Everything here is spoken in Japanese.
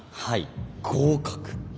はい合格。